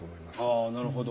あなるほど。